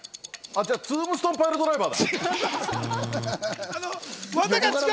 じゃあ、ズームストップドライバーだ。